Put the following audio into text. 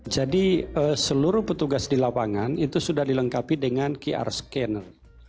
jadi seluruh petugas di lapangan itu sudah dilengkapi dengan qr scanner